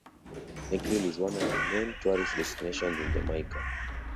Negril is one of the main tourist destinations in Jamaica.